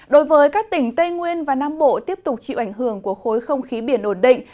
đối với các tỉnh tây nguyên và nam bộ tiếp tục chịu ảnh hưởng của khối không khí biển ổn định